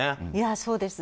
そうですね。